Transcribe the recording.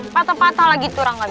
patah patah lagi itu rangganya